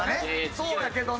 そうやけどね。